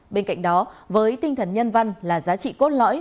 bên cạnh đó với tinh thần nhân văn là giá trị cốt lõi